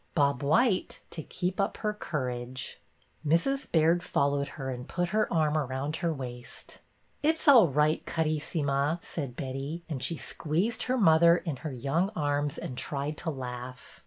Bob white !" to keep up her courage. Mrs. Baird followed her and put her arm around her waist. " It 's all right, Carissima," said Betty, and she squeezed her mother in her young arms and tried to laugh.